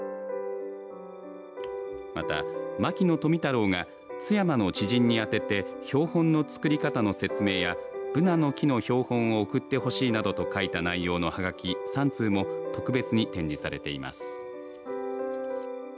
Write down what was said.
また、牧野富太郎が津山の知人に宛てて標本の作り方の説明やブナの木の標本を送ってほしいなどと書いた内容のはがき３通も特別に展示されています。